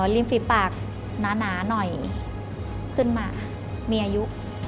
ริมฝีปากหนาหน่อยขึ้นมามีอายุ